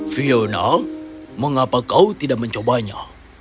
fiona mengapa kau tidak mencobanya